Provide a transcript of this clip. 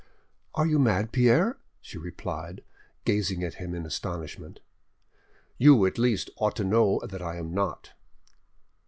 "Are you mad, Pierre?" she replied, gazing at him in astonishment. "You, at least, ought to know that I am not."